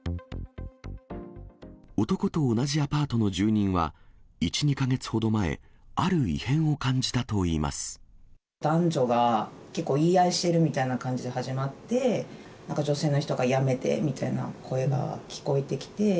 男と同じアパートの住人は、１、２か月ほど前、ある異変を感男女が結構、言い合いしてるみたいな感じで始まって、なんか女性の人がやめてみたいな声が聞こえてきて。